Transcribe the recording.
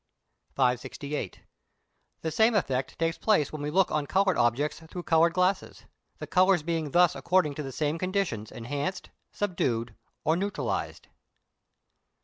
568. The same effect takes place when we look on coloured objects through coloured glasses; the colours being thus according to the same conditions enhanced, subdued, or neutralized.